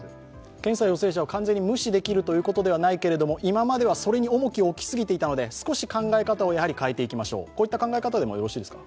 検査陽性者を完全に無視できるというわけではないけれど今まではそれに重きを置きすぎていたので、少し考え方を変えていきましょうという考えでよろしいですか。